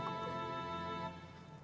aku mau ke rumah